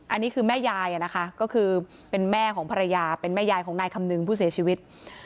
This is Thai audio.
อันนี้คือแม่ยายนะคะก็คือเป็นแม่ของภรรยาเป็นแม่ยายของนายคำนึงผู้เสียชีวิต